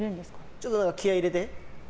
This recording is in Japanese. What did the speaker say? ちょっと気合い入れて。